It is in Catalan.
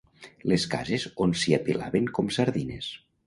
Les cases on s'hi apilaven com sardines.